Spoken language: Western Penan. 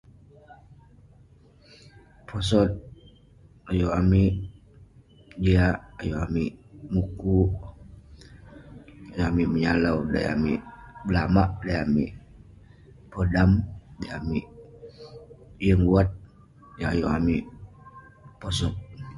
Posot ayuk amik, jiak..ayuk amik, mukuk..yeng amik menyalau dey amik belamak, dey amik podam, dey amik yeng wat, yah ayuk amik posot